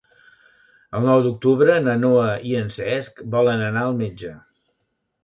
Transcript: El nou d'octubre na Noa i en Cesc volen anar al metge.